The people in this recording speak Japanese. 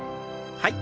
はい。